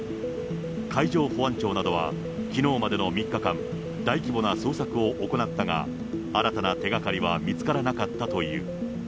海上保安庁などは、きのうまでの３日間、大規模な捜索を行ったが、新たな手がかりは見つからなかったという。